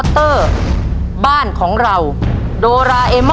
เย็นมากลุ่ม